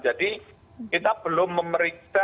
jadi kita belum memeriksa